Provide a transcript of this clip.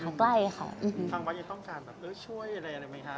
ทางวัดอยู่ข้างกลางช่วยอะไรมั้ยคะ